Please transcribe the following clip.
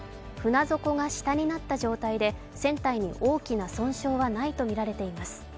船底が下になった状態で船体に大きな損傷はないとみられています。